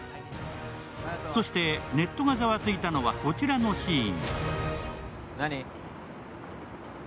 そしてネットがざわついたのは、こちらのシーン。